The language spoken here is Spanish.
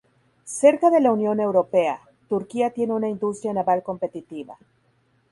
Cerca de la Unión Europea, Turquía tiene una industria naval competitiva.